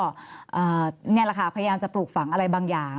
นี่แหละค่ะพยายามจะปลูกฝังอะไรบางอย่าง